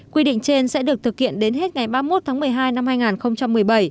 quy định trên sẽ được thực hiện đến hết ngày ba mươi một tháng một mươi hai năm hai nghìn một mươi bảy